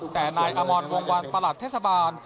แต่นายอมรวงวันประหลัดเทศบาล